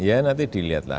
ya nanti dilihat lah